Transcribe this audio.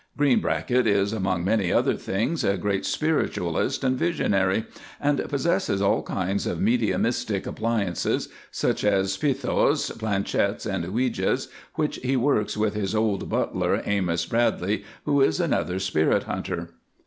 Greenbracket is, among many other things, a great spiritualist and visionary, and possesses all kinds of mediumistic appliances, such as pythos, planchettes and ouijas, which he works with his old butler, Amos Bradleigh, who is another spirit hunter.